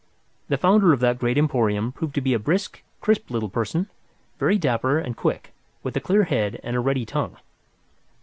The founder of that great emporium proved to be a brisk, crisp little person, very dapper and quick, with a clear head and a ready tongue.